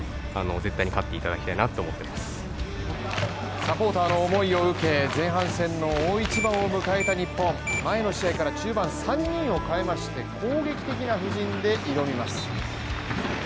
サポーターの思いを受け、前半戦の大一番を迎えた日本前の試合から中盤３人を代えまして、攻撃的な布陣で挑みます。